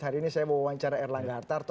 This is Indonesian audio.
hari ini saya mau wawancara erlangga hartarto